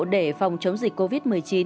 để phòng chống dịch covid một mươi chín